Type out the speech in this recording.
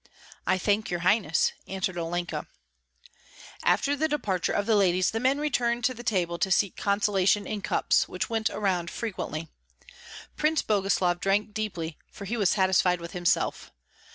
"I thank your highness," answered Olenka. After the departure of the ladies the men returned to the table to seek consolation in cups, which went around frequently. Prince Boguslav drank deeply, for he was satisfied with himself.